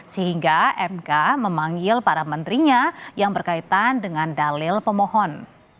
sehingga mk memanggil para menterinya yang berkaitan dengan dalil pemohon